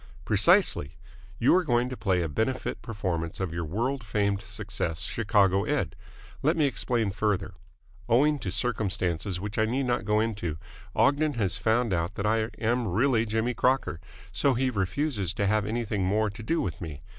"Precisely. You are going to play a benefit performance of your world famed success, Chicago Ed. Let me explain further. Owing to circumstances which I need not go into, Ogden has found out that I am really Jimmy Crocker, so he refuses to have anything more to do with me.